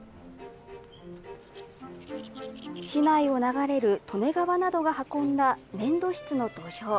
市内を流れる利根川などが運んだ粘土質の土壌。